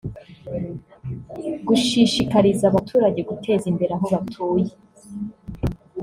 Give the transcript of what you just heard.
gushishikariza abaturage guteza imbere aho batuye